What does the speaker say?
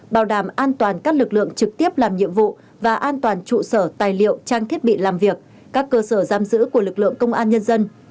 bảo đảm an toàn các lực lượng trực tiếp làm nhiệm vụ và an toàn trụ sở tài liệu trang thiết bị làm việc các cơ sở giam giữ của lực lượng công an nhân dân